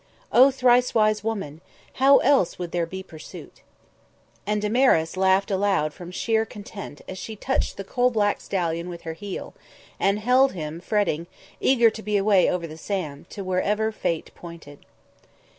O thrice wise woman! How else would there be pursuit? And Damaris laughed aloud from sheer content as she touched the coal black stallion with her heel, and held him, fretting, eager to be away over the sand, to wherever Fate pointed.